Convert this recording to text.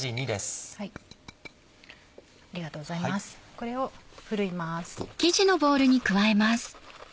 これをふるいます。